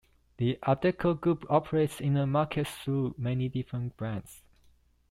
The Adecco Group operates in the market through many different brands.